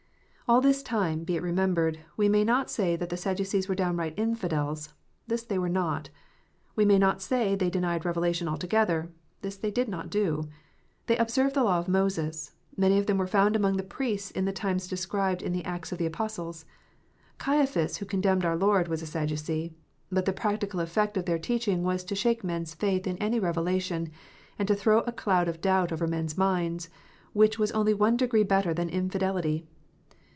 All this time, be it remembered, we may not say that the Sadducees were downright infidels : this they were not. We may not say they denied revelation altogether : this they did not do. They observed the law of Moses. Many of them were found among the priests in the times described in the Acts of the Apostles. Caiaphas who condemned our Lord was a Sadducee. But the practical effect of their teaching was to shake men s faith in any revelation, and to throw a cloud of doubt over men s minds, which was only one degree better than infidelity.